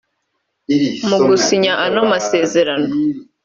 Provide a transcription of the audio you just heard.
Mu gusinya ano masezerano